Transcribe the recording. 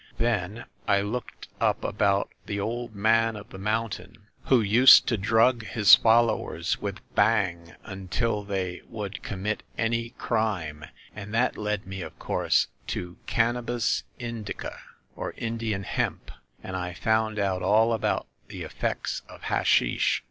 Then I looked up about the Old Man of the Mountain who used to drug his followers with bhang till they would commit any crime, and that led me, of course, to Cannabis Indica, or Indian hemp, and I found out all about the effects of hashish."